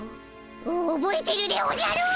おぼえてるでおじゃる！